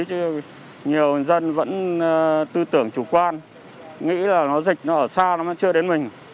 chứ nhiều dân vẫn tư tưởng chủ quan nghĩ là nó dịch nó ở xa nó chưa đến mình